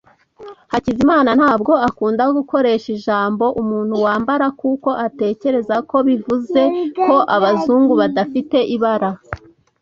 Hakizimana ntabwo akunda gukoresha ijambo "umuntu wamabara" kuko atekereza ko bivuze ko abazungu badafite ibara.